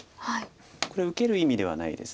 これ受ける意味ではないです。